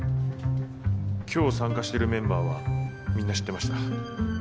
今日参加してるメンバーはみんな知ってました。